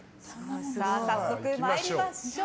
早速参りましょう。